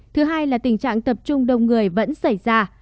thứ hai là tình trạng tập trung đông người vẫn xảy ra